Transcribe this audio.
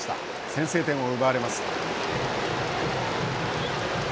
先制点を奪われます。